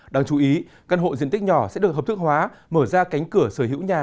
đáng chú ý căn hộ diện tích nhỏ sẽ được hợp thức hóa mở ra cánh cửa sở hữu nhà